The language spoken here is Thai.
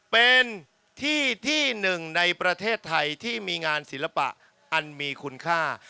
เป็นที่ที่หนึ่งในประเทศไทยที่มีงานศิลปะอันมีคุณค่า